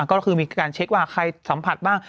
ก็คือมีการเช็คว่าใครสัมผัสบ้าง